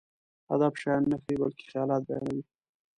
ادب شيان نه ښيي، بلکې خيالات بيانوي.